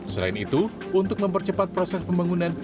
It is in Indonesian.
selain itu untuk mempercepat proses pembangunan